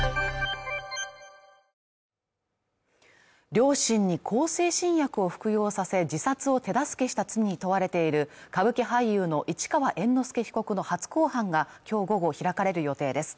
両親に向精神薬を服用させ自殺を手助けした罪に問われている歌舞伎俳優の市川猿之助被告の初公判がきょう午後開かれる予定です